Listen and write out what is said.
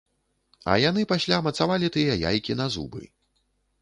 А яны пасля мацавалі тыя яйкі на зубы.